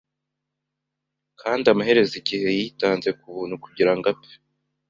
kandi amaherezo igihe yitanze kubuntu kugirango apfe